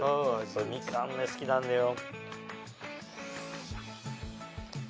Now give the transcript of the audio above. みかんね好きなんだよ。